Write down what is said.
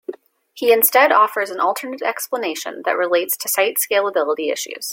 He instead offers an alternate explanation that relates to site scalability issues.